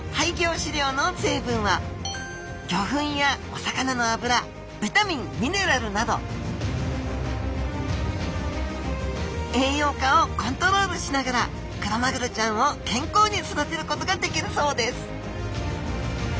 飼料の成分は魚粉やお魚の油ビタミンミネラルなど栄養価をコントロールしながらクロマグロちゃんを健康に育てることができるそうです